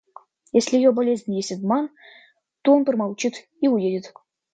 Если ее болезнь есть обман, то он промолчит и уедет.